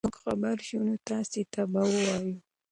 که موږ خبر شو نو تاسي ته به ووایو.